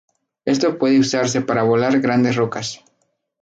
Esto puede usarse para volar grandes rocas.